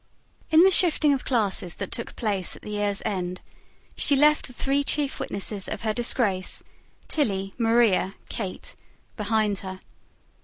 In the shifting of classes that took place at the year's end, she left the three chief witnesses of her disgrace Tilly, Maria, Kate behind her.